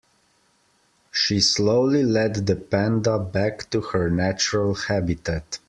She slowly led the panda back to her natural habitat.